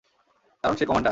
কারণ সে কমান্ডার।